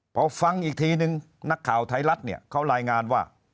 เพราะฟังอีกทีนึงนักข่าวไทยรัฐเขารายงานว่า